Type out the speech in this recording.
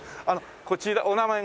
こちらお名前が。